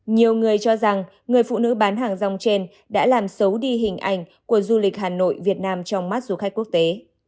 nhiều người cho rằng người phụ nữ bán hàng rong trên đã làm xấu đi hình ảnh của du lịch hà nội việt nam trong mắt du khách quốc tế